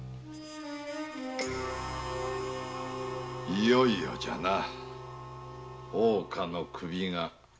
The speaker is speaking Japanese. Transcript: いよいよじゃな大岡の首。